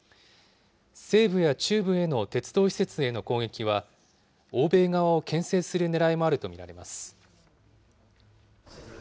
西部や中部への鉄道施設への攻撃は、欧米側をけん制するねらいもあると見られます。